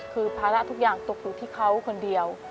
คือภาระทุกอย่างตกอยู่ที่เขาคนเดียว